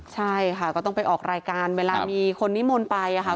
ใช่ค่ะก็ต้องไปออกรายการเวลามีคนนิมนต์ไปค่ะ